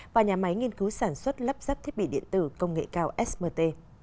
và nhà máy nghiên cứu sản xuất lắp ráp thiết bị điện tử công nghệ cao smt